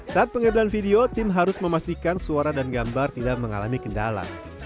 saat pengambilan video tim harus memastikan suara dan gambar tidak mengalami kendala